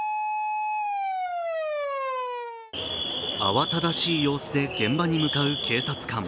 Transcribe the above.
慌ただしい様子で現場に向かう警察官。